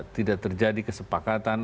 tidak terjadi kesepakatan